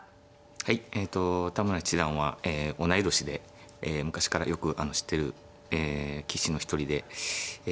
はいえと田村七段は同い年で昔からよく知ってる棋士の一人でえ